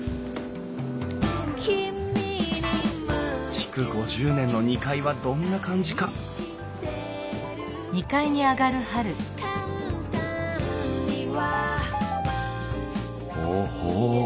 築５０年の２階はどんな感じかほほ。